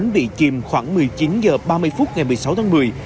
bị chìm khoảng một mươi chín h ba mươi phút ngày một mươi sáu tháng một mươi